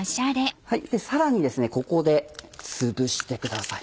さらにここでつぶしてください。